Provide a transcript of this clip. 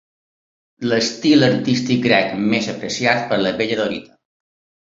L'estil artístic grec més apreciat per la Bella Dorita.